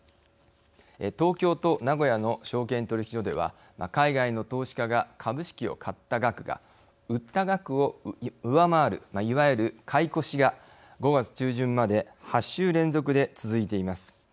東京と名古屋の証券取引所では海外の投資家が株式を買った額が売った額を上回るいわゆる買い越しが５月中旬まで８週連続で続いています。